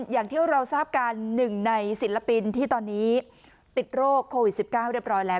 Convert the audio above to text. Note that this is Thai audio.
อย่างที่เราทราบกันหนึ่งในศิลปินที่ตอนนี้ติดโรคโควิด๑๙เรียบร้อยแล้ว